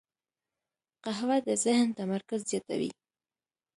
قهوه د ذهن تمرکز زیاتوي